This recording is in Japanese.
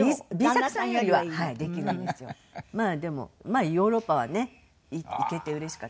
まあでもヨーロッパはね行けてうれしかった。